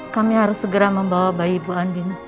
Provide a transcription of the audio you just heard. kami harus segera membawa bayi ibu andin